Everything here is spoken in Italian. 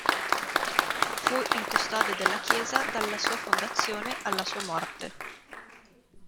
Fu il custode della chiesa dalla sua fondazione alla sua morte.